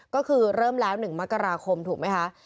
ก็คือเริ่มแล้ว๑มกราคมถูกไหมคะ